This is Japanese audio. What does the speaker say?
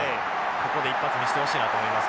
ここで一発見せてほしいなと思いますけれども。